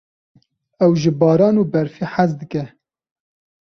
Ew ji baran û berfê hez dike.